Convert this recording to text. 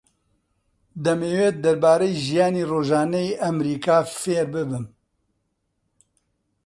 دەمەوێت دەربارەی ژیانی ڕۆژانەی ئەمریکا فێر ببم.